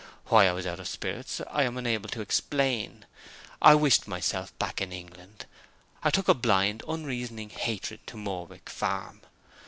Why I was out of spirits I am unable to explain. I wished myself back in England: I took a blind, unreasoning hatred to Morwick Farm.